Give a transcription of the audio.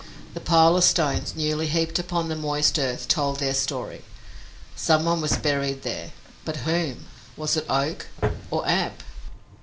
The pile of stones, newly heaped upon the moist earth, told their story. Someone was buried there, but whom? Was it Oak or Ab?